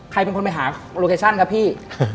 ใครเป็นคนไปหาโลเคชั่นครับพี่